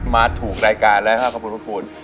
มาถูกรายการแล้วค่ะสมภูมิ